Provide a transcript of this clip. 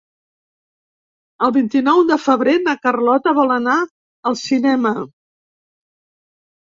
El vint-i-nou de febrer na Carlota vol anar al cinema.